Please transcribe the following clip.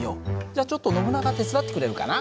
じゃちょっとノブナガ手伝ってくれるかな。